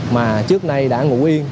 mà trước nay đã ngủ yên